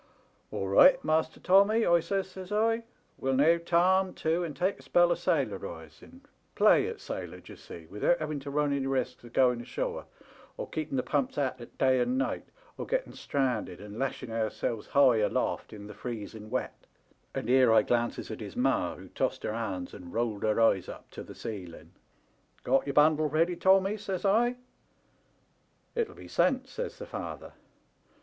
"'All right, master Tommy,' I says, says I, 'we'll now tarn to and take a spell of sailorizing — ^play at sailor, d'ye see, without having to run any risks of going ashore, or keeping the pumps at it day an* night, or getting stranded, and lashing ourselves high aloft in the freezing wet ;' and here I glances at his ma, who 274 "^TBAT THEBE LITTLE TOMMY.'' tossed her hands and rolled her eyes up to the ceiling. ' Got your bundle ready, Tommy ?* says I. "* Itll be sent,' says the father.